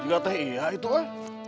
juga teh iya itu kan